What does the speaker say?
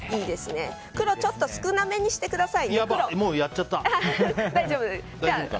黒、ちょっと少なめにしてください。